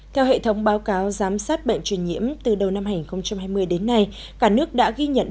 theo hệ thống báo cáo giám sát bệnh truyền nhiễm từ đầu năm hai nghìn hai mươi đến nay cả nước đã ghi nhận